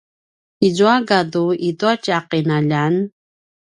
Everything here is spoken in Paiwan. izua gadu itua tja qinaljan?